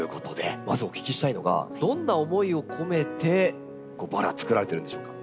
まずお聞きしたいのがどんな思いを込めてバラをつくられてるんでしょうか？